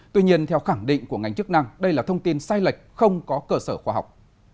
tuy nhiên theo khẳng định của ngành chức năng đây là thông tin sai lệch không có cơ sở khoa học